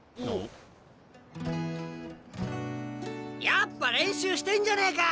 やっぱ練習してんじゃねえか！